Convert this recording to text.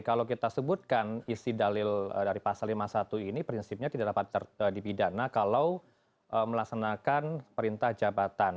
kalau kita sebutkan isi dalil dari pasal lima puluh satu ini prinsipnya tidak dapat dipidana kalau melaksanakan perintah jabatan